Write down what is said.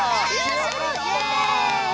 イエイ！